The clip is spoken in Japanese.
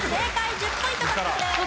１０ポイント獲得です。